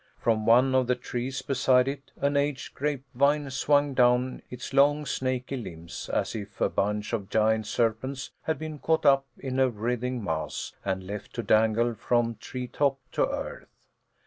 From one of the trees beside it an aged grape vine swung down its long snaky limbs, as if a bunch of giant serpents had been caught up in a writhing mass and left to dangle from tree top to earth.